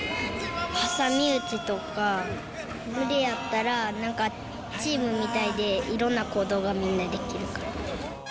挟み撃ちとか、群れやったら、なんかチームみたいで、いろんな行動がみんなできるから。